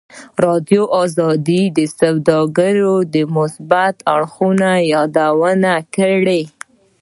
ازادي راډیو د سوداګري د مثبتو اړخونو یادونه کړې.